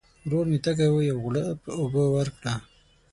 ورور مي تږی دی ، یو غوړپ اوبه ورکړه !